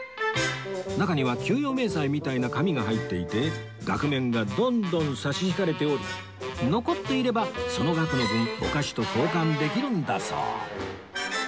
中には給与明細みたいな紙が入っていて額面がどんどん差し引かれており残っていればその額の分お菓子と交換できるんだそう